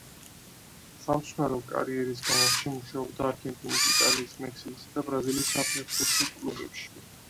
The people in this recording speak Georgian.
სამწვრთნელო კარიერის განმავლობაში მუშაობდა არგენტინის, იტალიის, მექსიკის და ბრაზილიის საფეხბურთო კლუბებში.